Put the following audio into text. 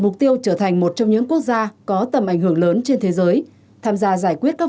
mục tiêu trở thành một trong những quốc gia có tầm ảnh hưởng lớn trên thế giới tham gia giải quyết các